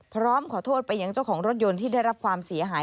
พร้อมขอโทษไปยังเจ้าของรถยนต์ที่ได้รับความเสียหาย